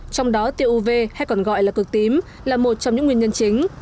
trong đó tiêu uv hay còn gọi là cực tím là một trong những nguyên nhân chính